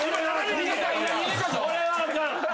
これはあかんて。